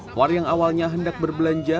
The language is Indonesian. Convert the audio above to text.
puwar yang awalnya hendak berbelanja